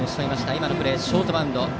今のプレー、ショートバウンド。